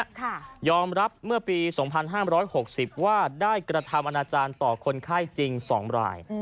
ค่ะยอมรับเมื่อปี๒๕๖๐ว่าได้กระทำอนาจารย์ต่อคนไข้จริง๒ราย